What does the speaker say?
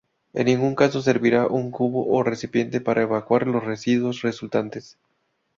En ningún caso servirá un cubo o recipiente para evacuar los residuos resultantes.